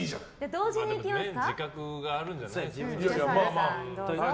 同時にいきますか？